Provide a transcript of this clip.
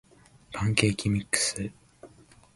パンケーキミックス